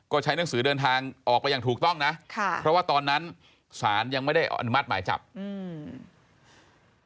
ก็ใช้หนังสือเดินทางออกไปอย่างถูกต้องนะค่ะเพราะว่าตอนนั้นศาลยังไม่ได้อนุมัติหมายจับอืม